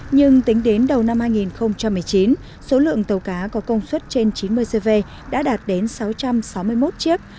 nhưng tính đến đầu năm hai nghìn một mươi chín số lượng tàu cá có công suất trên chín mươi cv đã đạt đến sáu trăm sáu mươi một chiếc